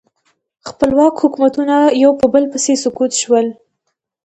خپلواک حکومتونه یو په بل پسې سقوط شول.